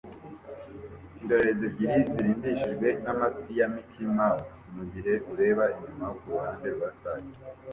Indorerezi ebyiri zirimbishijwe n'amatwi ya Mickey Mouse mugihe ureba inyuma kuruhande rwa stade